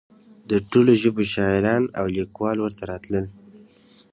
د ټولو ژبو شاعران او لیکوال ورته راتلل.